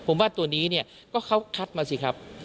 ผมว่าตัวนี้เนี่ยก็เขาคัดมาสิครับ